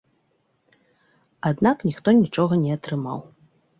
Аднак ніхто нічога не атрымаў.